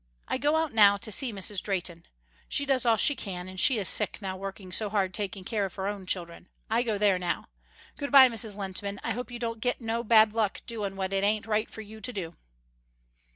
I go out now to see Mrs. Drehten. She does all she can, and she is sick now working so hard taking care of her own children. I go there now. Good by Mrs. Lehntman, I hope you don't get no bad luck doin' what it ain't right for you to do."